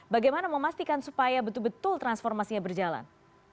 bagaimana memastikan supaya betul betul transformasinya berjalan